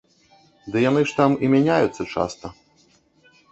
Ды яны ж там і мяняюцца часта.